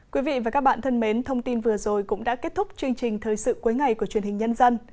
quý vị và các bạn thân mến thông tin vừa rồi cũng đã kết thúc chương trình thời sự cuối ngày của truyền hình nhân dân